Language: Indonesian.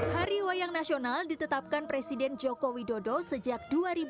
hari wayang nasional ditetapkan presiden joko widodo sejak dua ribu dua